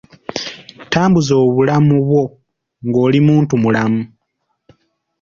Tambuza obulamu bwo ng'oli muntu mulamu.